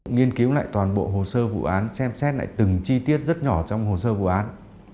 nghiên cứu lại toàn bộ hồ sơ vụ án xem xét lại từng chi tiết rất nhỏ trong hồ sơ vụ án